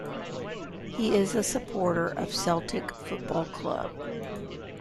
He is a supporter of Celtic Football Club.